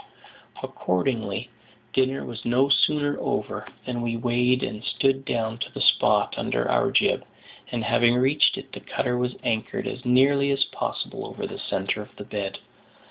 Accordingly, dinner was no sooner over than we weighed and stood down to the spot under our jib, and having reached it, the cutter was anchored as nearly as possible over the centre of the bed.